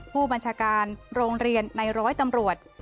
ผู้บัญชาการโรงเรียนในร้อยตำรวจ